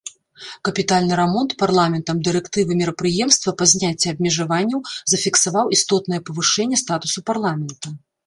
Капітальны рамонт парламентам дырэктывы мерапрыемства па зняцці абмежаванняў зафіксаваў істотнае павышэнне статусу парламента.